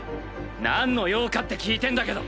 なんの用かって聞いてんだけど。